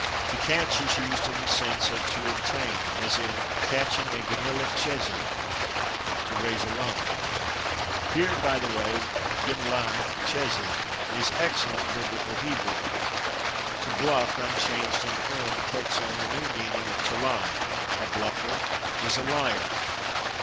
/To catch/ is used in the sense of to obtain, as in "/catch'n/ a gmilath chesed" (=to raise a loan). Here, by the way, /gmilath chesed/ is excellent Biblical Hebrew. /To bluff/, unchanged in form, takes on the new meaning of to lie: a /bluffer/ is a liar.